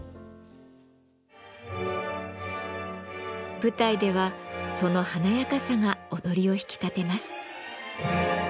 舞台ではその華やかさが踊りを引き立てます。